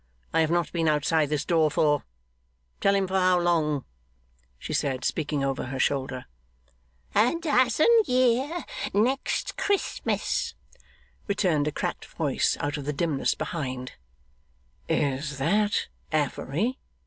I have not been outside this door for tell him for how long,' she said, speaking over her shoulder. 'A dozen year next Christmas,' returned a cracked voice out of the dimness behind. 'Is that Affery?